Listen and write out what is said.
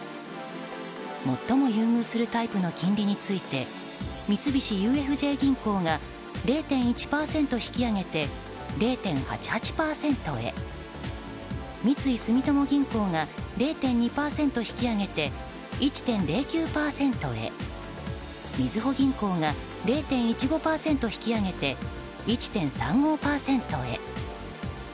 最も優遇するタイプの金利について三菱ＵＦＪ銀行が０．１％引き上げて０．８８％へ三井住友銀行が０．２％引き上げて１．０９％へみずほ銀行が０．１５％引き上げて１．３５％へ。